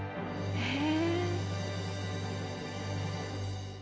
へえ。